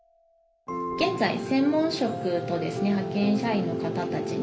現在専門職と派遣社員の方たちに。